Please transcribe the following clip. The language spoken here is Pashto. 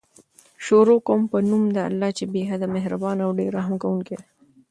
شروع کوم په نوم د الله چې بې حده مهربان ډير رحم لرونکی دی